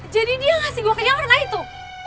jadi dia ngasih gua ke nyawaran lah itu